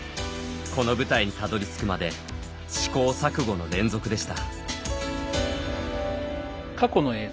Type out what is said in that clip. この舞台にたどりつくまで試行錯誤の連続でした。